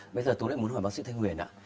bây giờ tôi lại muốn hỏi bác sĩ thanh huyền ạ